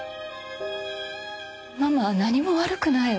ママは何も悪くないわ。